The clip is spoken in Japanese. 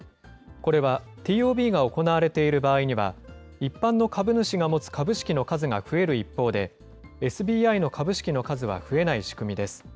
これはＴＯＢが行われている場合には、一般の株主が持つ株式の数が増える一方で、ＳＢＩの株式の数は増えない仕組みです。